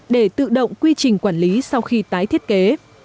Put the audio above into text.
để tự động quy trình quản lý sau khi tái thiết kế